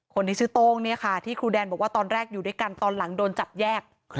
คนที่ชื่อโต้งเนี่ยค่ะที่ครูแดนบอกว่าตอนแรกอยู่ด้วยกันตอนหลังโดนจับแยก